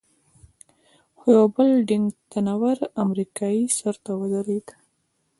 خو یو بل ډنګ، تنه ور امریکایي سر ته ودرېد.